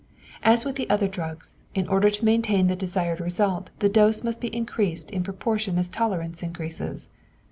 As with the other drugs, in order to maintain the desired result the dose must be increased in proportion as tolerance increases.